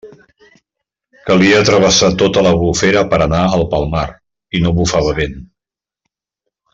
Calia travessar tota l'Albufera per a anar al Palmar, i no bufava vent.